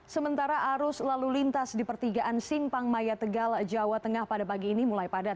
sementara arus lalu lintas di pertigaan simpang maya tegal jawa tengah pada pagi ini mulai padat